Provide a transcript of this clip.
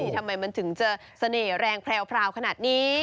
ทำไมมันถึงจะเสน่ห์แรงแพรวขนาดนี้